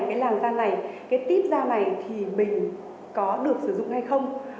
cái làn da này cái típ da này thì mình có được sử dụng hay không